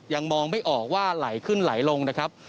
ยังมองไม่ออกว่าไหลขึ้นไหลลงนะครับ